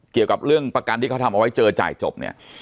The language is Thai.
เกี่ยวกับเรื่องประกันที่เขาทำเอาไว้เจอจ่ายจบเนี่ย